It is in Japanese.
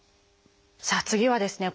さあ次はですね